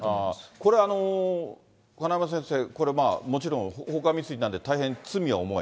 これは金山先生、これもちろん、放火未遂なんで大変罪は重い。